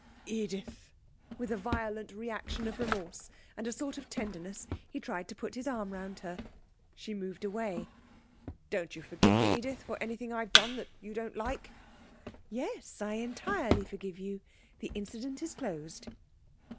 'Edith!' With a violent reaction of remorse, and a sort of tenderness, he tried to put his arm round her. She moved away. 'Don't you forgive me, Edith, for anything I've done that you don't like?' 'Yes, I entirely forgive you. The incident is closed.'